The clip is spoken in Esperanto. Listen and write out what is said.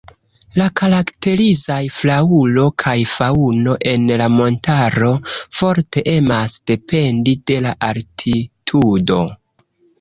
La karakterizaj flaŭro kaj faŭno en la montaro forte emas dependi de la altitudo.